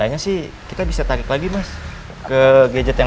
ini punasi agama watasun elemen almighty